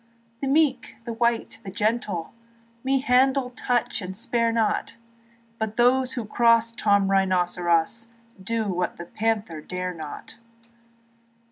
The meek, the white, the gentle Me handle, touch, and spare not; But those that cross Tom Rynosseros Do what the panther dare not.